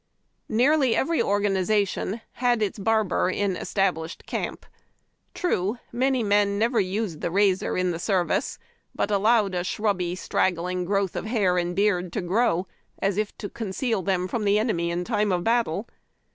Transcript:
Nearly every organization had its barber in established camp. True, many men never used the razor in the ser THE CAJir BARBER. vice, but allowed a shrubby, straggling growth of hair and beard to grow, as if to conceal them from the enemy in time of battle.